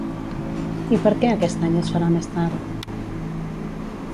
I per què aquest any es farà més tard?